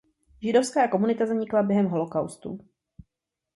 Židovská komunita zanikla během holokaustu.